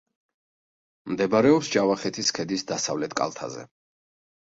მდებარეობს ჯავახეთის ქედის დასავლეთ კალთაზე.